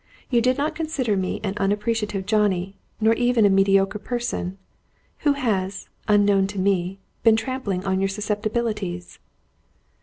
You did not consider me an unappreciative Johnny, nor even a mediocre person! Who has, unknown to me, been trampling on your susceptibilities?"